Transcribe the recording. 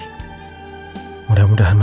mudah mudahan mama udah baik baik aja